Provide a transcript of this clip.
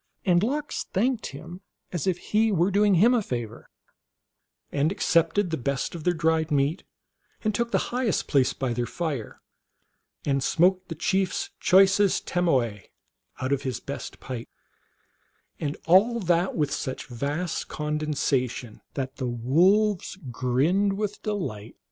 And Lox thanked him as if he were doing him a favor, and accepted the best of their dried meat, and took the highest place by their fire, and smoked the chief s choicest tomawe out of his best pipe, and all that with such vast condescension that the wolves grinned with delight.